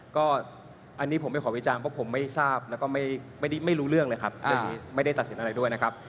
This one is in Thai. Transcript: ก็อันนี้คนไม่ขอวิจารณ์ว่าผมไม่รู้เรื่องแล้วครับไม่ได้ตัสินอะไรด้วยนะครับ